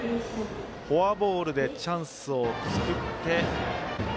フォアボールでチャンスを作って。